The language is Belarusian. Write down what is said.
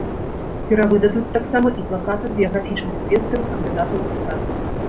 Перавыдадуць таксама і плакаты з біяграфічнымі звесткамі кандыдата ў дэпутаты.